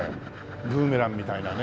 ブーメランみたいなね。